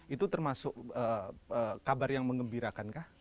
itu termasuk kabar yang mengembirakan kah